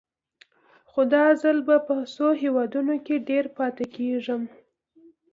خو دا ځل به په څو هېوادونو کې ډېر پاتې کېږم.